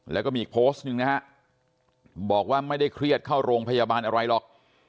แล้วก็มีอีกโพสต์หนึ่งนะฮะบอกว่าไม่ได้เครียดเข้าโรงพยาบาลอะไรหรอก